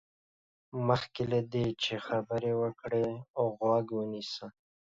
مخکې له دې چې خبرې وکړې، غوږ ونيسه.